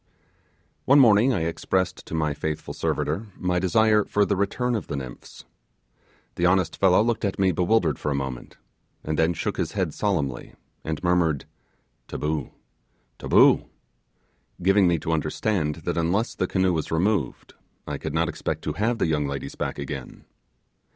One morning I expressed to my faithful servitor my desire for the return of the nymphs. The honest fellow looked at me bewildered for a moment, and then shook his head solemnly, and murmured 'taboo! taboo!' giving me to understand that unless the canoe was removed I could not expect to have the young ladies back again.